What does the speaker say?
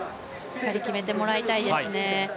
しっかり決めてもらいたいです。